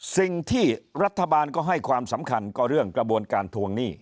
สิ่งที่รัฐบาลก็ให้ความสำคัญก็เรื่องกระบวนการทวงหนี้